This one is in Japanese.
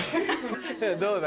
どうだ？